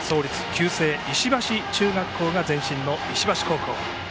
旧制石橋中学校が前身の石橋高校。